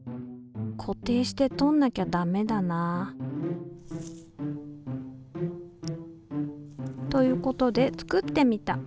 固定してとんなきゃダメだな。ということで作ってみた。